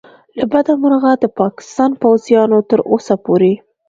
له بده مرغه د پاکستان پوځیانو تر اوسه پورې